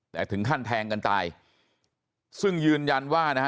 แต่ถึงขั้นแทงกันตายซึ่งยืนยันว่านะฮะ